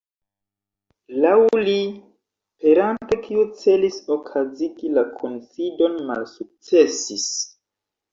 Laŭ li, peranto kiu celis okazigi la kunsidon malsukcesis.